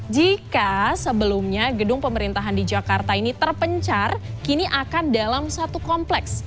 jika sebelumnya gedung pemerintahan di jakarta ini terpencar kini akan dalam satu kompleks